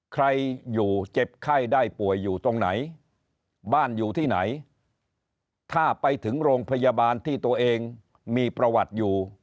ใครอยู่เจ็บไข้ได้ป่วยอยู่ตรงไหนบ้านอยู่ที่ไหนถ้าไปถึงโรงพยาบาลที่ตัวเองมีประวัติอยู่